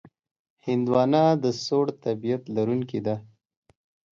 هندوانه د سوړ طبیعت لرونکې ده.